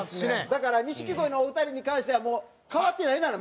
だから錦鯉のお二人に関してはもう変わってないなら